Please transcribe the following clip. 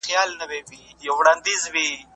نړیواله ټولنه باید د افغانستان وضعیت هېر نه کړي.